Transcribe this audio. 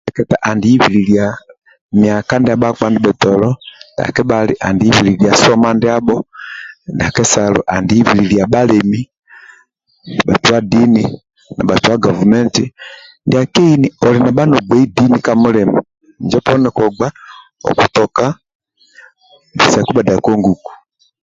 Ndia kateketa andi ibikilia myaka ndia bhakpa ndia bhali nai ndia kebhali andi ibililia soma ndiabho ndia kesalo andi ibililia bhalemi bhatua dini na bhatua gavumenti ndia keini andi bha nogbei dini ka mulima injo poni kogba okutoka bisaku bhadako nguko